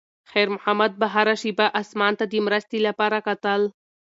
خیر محمد به هره شېبه اسمان ته د مرستې لپاره کتل.